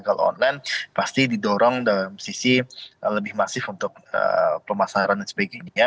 kalau online pasti didorong dalam sisi lebih masif untuk pemasaran dan sebagainya